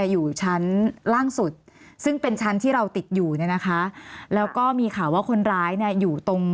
อยู่ชั้นล่างสุดซึ่งเป็นชั้นที่เราติดอยู่เนี่ยนะคะแล้วก็มีข่าวว่าคนร้ายเนี่ยอยู่ตรง